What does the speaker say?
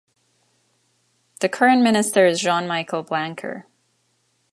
The current minister is Jean-Michel Blanquer.